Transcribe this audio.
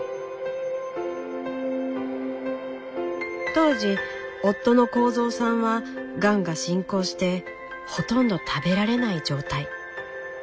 当時夫の幸三さんはがんが進行してほとんど食べられない状態。